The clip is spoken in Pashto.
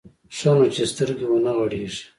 ښه نو چې سترګې ونه غړېږي.